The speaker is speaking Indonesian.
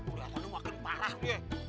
udah makin parah dia